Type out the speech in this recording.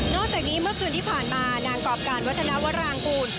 จากนี้เมื่อคืนที่ผ่านมานางกรอบการวัฒนาวรางกูล